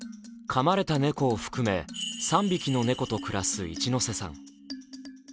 かまれた猫を含め３匹の猫と暮らすいちのせさん。